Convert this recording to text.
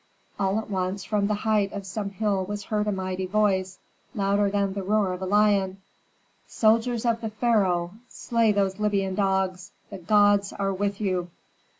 All at once, from the height of some hill was heard a mighty voice, louder than the roar of a lion, "Soldiers of the pharaoh, slay those Libyan dogs! The gods are with you."